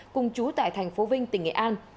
cùng chú tại thành phố vinh tỉnh nghệ an